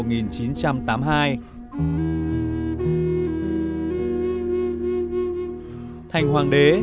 thành hoàng đế